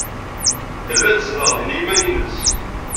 Tella tezdeɣ din i yiman-nnes.